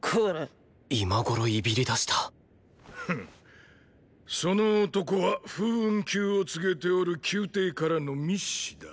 今ごろイビりだしたフッその男は風雲急をつげておる宮廷からの密使だ。